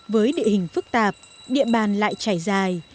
với địa hình phức tạp địa bàn lại trải dài